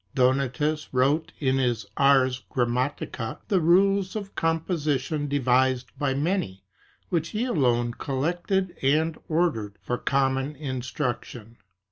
Donatus wrote in his "Ars Grammatica'* the rules of composition devised by many, which he alone collected and ordered for common in struction.